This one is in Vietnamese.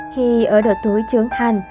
khi ở độ tuổi trưởng thành